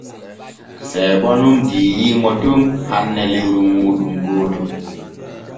Seebo nun diiyiimo ton hanne lewru muuɗum gootol.